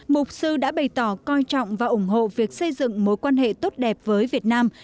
mục sư đã bày tỏ coi trọng và ủng hộ việc xây dựng mối quan hệ tốt đẹp với việt nam